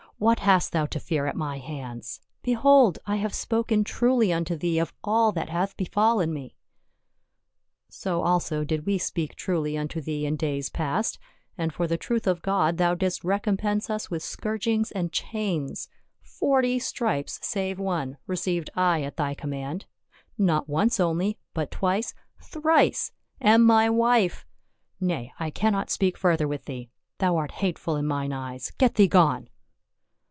" What hast thou to fear at my hands ? behold, I have spoken truly unto thee of all that hath befallen mc." " So also did we speak truly unto thee in days past, and for the truth of God thou didst recompense us with scourgings and chains ; forty stripes save one re ceived I at thy command — not once only, but twice, thrice, and my wife — Nay, I cannot speak further with thee, thou art hateful in mine eyes. Get thee gone."